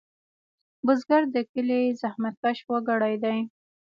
بزګر د کلي زحمتکش وګړی دی